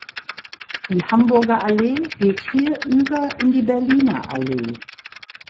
Die Hamburger Allee geht hier über in die Berliner Allee.